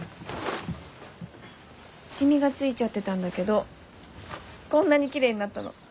シミがついちゃってたんだけどこんなに綺麗になったの。